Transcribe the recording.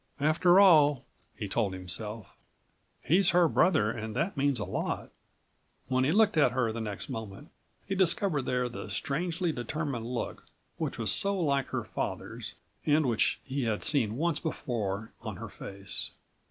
"After all," he told himself, "he's her brother and that means a lot." When he looked at her the next moment he discovered there the strangely determined look113 which was so like her father's, and which he had seen once before on her face.